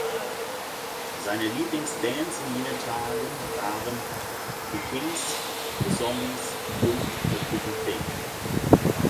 Seine Lieblingsbands in jenen Tagen waren The Kinks, The Zombies und The Pretty Things.